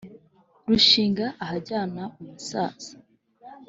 Rushinga ahajyana umusaza,